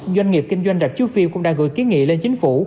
doanh nghiệp kinh doanh rạp chú phiêu cũng đã gửi ký nghị lên chính phủ